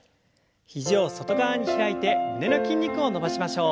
肘を外側に開いて胸の筋肉を伸ばしましょう。